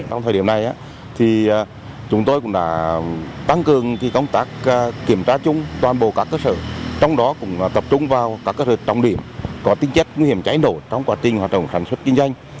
trong thời điểm này chúng tôi cũng đã tăng cường công tác kiểm tra chung toàn bộ các cơ sở trong đó cũng tập trung vào các cơ sở trọng điểm có tinh chất nguy hiểm cháy nổ trong quá trình hoạt động sản xuất kinh doanh